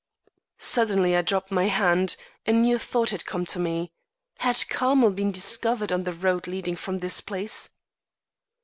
Suddenly I dropped my hand; a new thought had come to me. Had Carmel been discovered on the road leading from this place?